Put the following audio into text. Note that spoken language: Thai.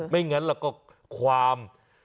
ไม่งั้นแล้วก็ความ